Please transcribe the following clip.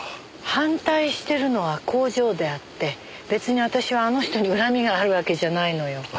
反対してるのは工場であって別に私はあの人に恨みがあるわけじゃないのよ。